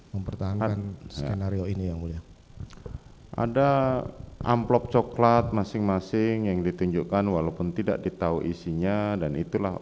mempertahankan senariong ini yang mulia ada amplop coklat masing masing yang ditunjukkan walaupun tidak menambahkan skenario yang mulia